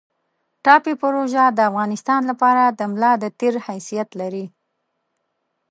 ټاپي پروژه د افغانستان لپاره د ملا د تیر حیثیت لري